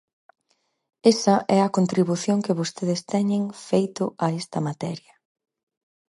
Esa é a contribución que vostedes teñen feito a esta materia.